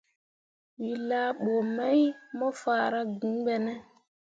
We laa bə mai mo faara gŋ be ne?